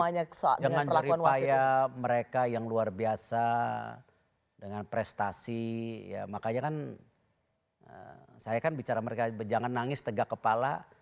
dengan rifaya mereka yang luar biasa dengan prestasi ya makanya kan saya kan bicara mereka jangan nangis tegak kepala